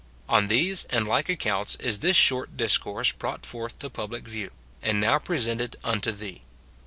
On these and like accounts is this short discourse brought forth to public view, and now presented unto thee.